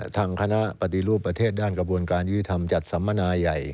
ทางคณะปฏิรูปประเทศด้านกระบวนการยุติธรรมจัดสัมมนาใหญ่